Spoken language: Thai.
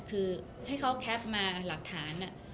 คือให้เขาแคปมาหลักฐาน